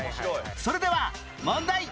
それでは問題